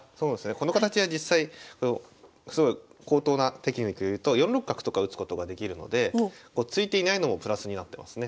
この形は実際すごい高等なテクニックを言うと４六角とか打つことができるので突いていないのもプラスになってますね。